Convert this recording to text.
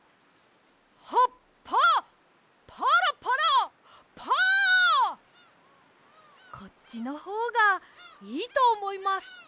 「葉っぱパラパラパー」こっちのほうがいいとおもいます。